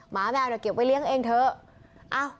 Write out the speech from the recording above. หมาแมวเดี๋ยวเก็บไว้เลี้ยงเองเถอะ